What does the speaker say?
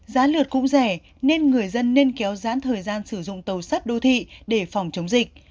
giá lượt cũng rẻ nên người dân nên kéo dãn thời gian sử dụng tàu sắt đô thị để phòng chống dịch